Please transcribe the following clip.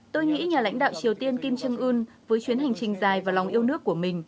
tôi nghĩ nhà lãnh đạo triều tiên kim jong un với chuyến hành trình dài và lòng yêu nước của mình